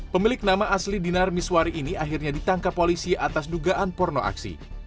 pemilik nama asli dinar miswari ini akhirnya ditangkap polisi atas dugaan porno aksi